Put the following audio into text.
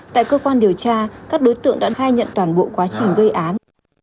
tại cơ quan điều tra các đối tượng đã khai nhận toàn bộ quá trình gây án